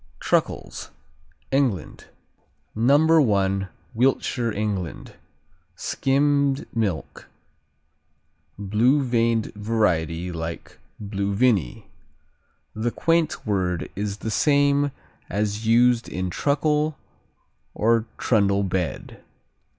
Truckles England No. I: Wiltshire, England. Skimmed milk; blue veined variety like Blue Vinny. The quaint word is the same as used in truckle or trundle bed.